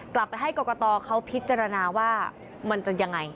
กลับไปให้กรกตเขาพิจารณาว่ามันจะยังไง